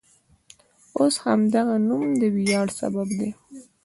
اوس همدغه نوم د ویاړ سبب دی.